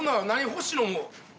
星野も。